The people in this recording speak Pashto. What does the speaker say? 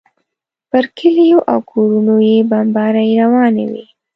پر کلیو او کورونو یې بمبارۍ روانې وې.